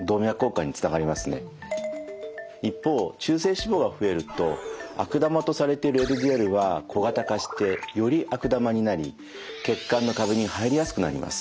一方中性脂肪が増えると悪玉とされているＬＤＬは小型化してより悪玉になり血管の壁に入りやすくなります。